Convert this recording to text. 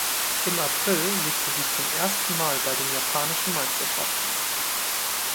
Im April siegte sie zum ersten Mal bei den japanischen Meisterschaften.